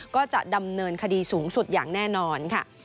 ก็จะดำเนินคดีสูงสุดอย่างแน่นอนค่ะ